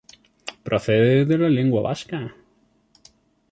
Procede de la lengua vasca.